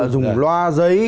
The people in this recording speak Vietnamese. dùng loa giấy